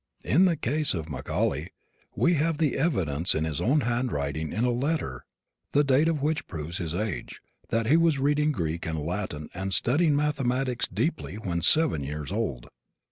In the case of Macaulay we have the evidence in his own handwriting in a letter the date of which proves his age, that he was reading Greek and Latin and studying mathematics deeply when seven years old.